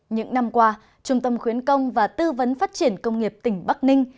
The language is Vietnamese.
những năm qua trung tâm khuyến công và tư vấn phát triển công nghiệp tỉnh bắc ninh